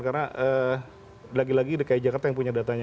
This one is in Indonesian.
karena lagi lagi dikait jakarta yang punya datanya